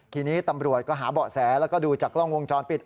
ทีนี้ตำรวจก็หาเบาะแสแล้วก็ดูจากกล้องวงจรปิด